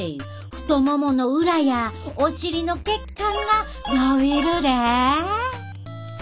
太ももの裏やお尻の血管がのびるで。